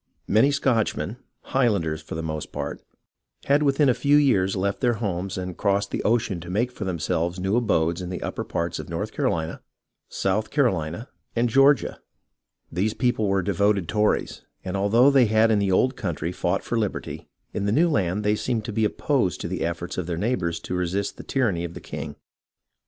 Many Scotchmen, Highlanders for the most part, had within a few years left their homes and crossed the ocean to make for themselves new abodes in the upper parts of North Carolina, South Carohna, and Georgia. These people were devoted Tories, and although they had in the old country fought for liberty, in the new land they seemed to be opposed to the efforts of their neighbours to resist the tyranny of the king.